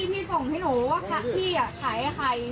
มีส่งให้หนูว่าพี่ขายให้ใคร